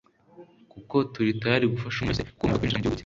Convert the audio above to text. kuko turitayari gufasha umuntu wese ukumirwakwinjiramugihungu ke